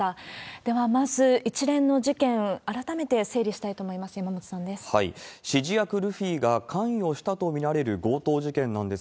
では、まず一連の事件、改めて整理したいと思います。